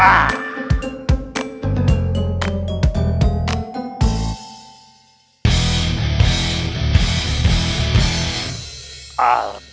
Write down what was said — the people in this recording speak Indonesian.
jangan lupa like an